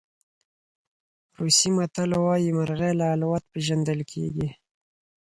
روسي متل وایي مرغۍ له الوت پېژندل کېږي.